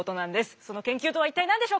その研究とは一体何でしょうか。